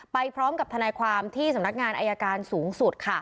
ไปพร้อมกับทนายความที่สำนักงานอายการสูงสุด